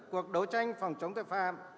cuộc đấu tranh phòng chống tội phạm